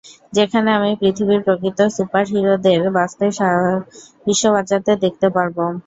যেখানে আমি পৃথিবীর প্রকৃত সুপারহিরোদের বিশ্ব বাঁচাতে দেখতে পারব?